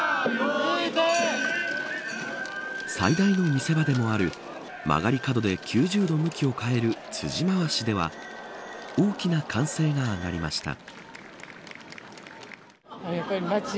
最大の見せ場でもある曲がり角で９０度向きを変える辻回しでは大きな歓声が上がりました。